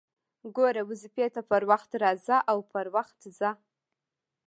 ګوره! واظيفې ته پر وخت راځه او پر وخت ځه!